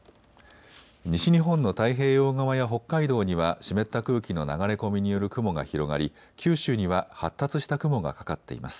西日本の太平洋側や北海道には湿った空気の流れ込みによる雲が広がり、九州には発達した雲がかかっています。